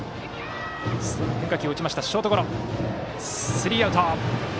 スリーアウト！